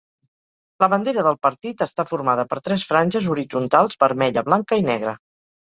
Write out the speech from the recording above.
La bandera del Partit està formada per tres franges horitzontals vermella, blanca i negre.